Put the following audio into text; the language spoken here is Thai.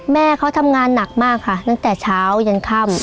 แม่เขาทำงานหนักมากค่ะตั้งแต่เช้ายันค่ำ